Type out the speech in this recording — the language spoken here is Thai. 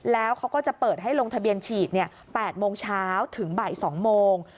แล้วเขาก็จะเปิดให้ลงทะเบียนฉีด๘โมงเช้าถึงบ่าย๒โมง